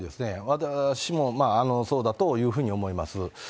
私もそうだというふうに思います。